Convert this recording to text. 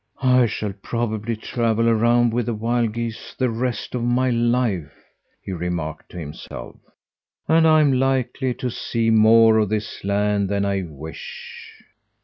"I shall probably travel around with wild geese the rest of my life," he remarked to himself, "and I am likely to see more of this land than I wish."